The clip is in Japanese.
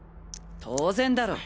当然だろう。